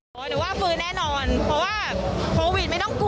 ก็ดูแลตัวเองให้ดีแค่นั้นนะครับ